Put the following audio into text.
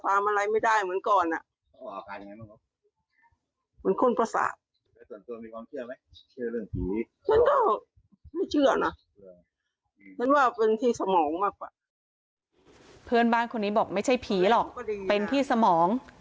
เพื่อนบ้านคนนี้บอกไม่ใช่ผีหรอกเป็นที่สมอง